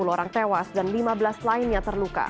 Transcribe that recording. sepuluh orang tewas dan lima belas lainnya terluka